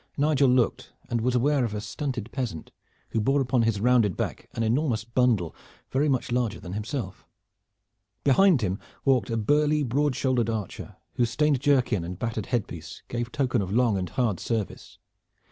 Nigel looked, and was aware of a stunted peasant who bore upon his rounded back an enormous bundle very much larger than himself. Behind him walked a burly broad shouldered archer, whose stained jerkin and battered headpiece gave token of long and hard service.